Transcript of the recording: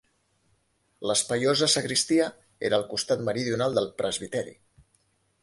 L'espaiosa sagristia era al costat meridional del presbiteri.